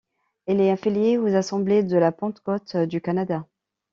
Elle est affiliée aux Assemblées de la Pentecôte du Canada.